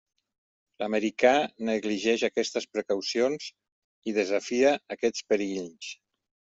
L'americà negligeix aquestes precaucions i desafia aquests perills.